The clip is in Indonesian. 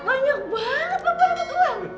pak banyak banget uang